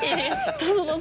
どうぞどうぞ。